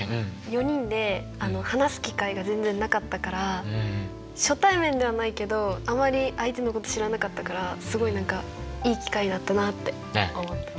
４人で話す機会が全然なかったから初対面ではないけどあまり相手のこと知らなかったからすごい何かいい機会だったなって思った。